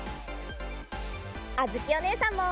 あづきおねえさんも！